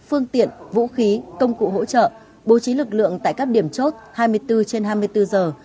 phương tiện vũ khí công cụ hỗ trợ bố trí lực lượng tại các điểm chốt hai mươi bốn trên hai mươi bốn giờ